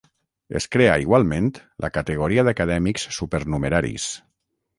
Es crea, igualment, la categoria d'Acadèmics Supernumeraris.